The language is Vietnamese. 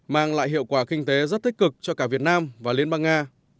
mang lại hiệu quả kinh tế rất tích cực cho cả việt nam và liên bang nga